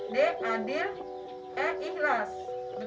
adil dan ikhlas betul apa salah coba raffna